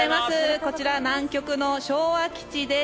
こちら、南極の昭和基地です。